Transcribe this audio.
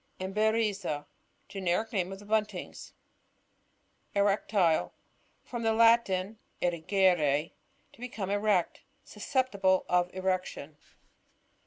Emberiza. — Generic name of the Buntings. Erectile. — From tfie Latin, ewers, to become erect Susceptible of erection.